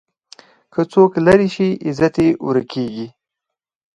که څوک لرې شي، عزت یې ورک کېږي.